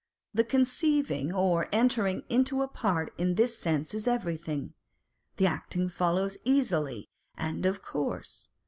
The conceiving or entering into a part in this sense is everything : the acting follows easily and of course.